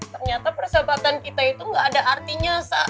ternyata persahabatan kita itu gak ada artinya